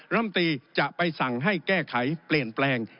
ลำตีจะไปสั่งให้แก้ไขเปลี่ยนแปลง